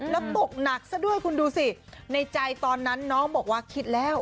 แล้วตกหนักซะด้วยคุณดูสิในใจตอนนั้นน้องบอกว่าคิดแล้ว